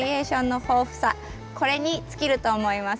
これに尽きると思います。